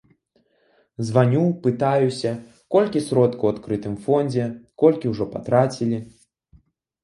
Званю, пытаюся, колькі сродкаў у адкрытым фондзе, колькі ўжо патрацілі.